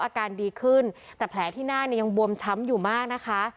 อาการดีขึ้นแต่แผลที่หน้าเนี่ยยังบวมช้ำอยู่มากนะคะ